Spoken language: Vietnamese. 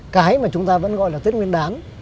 cái mà chúng ta vẫn gọi là tết nguyên đán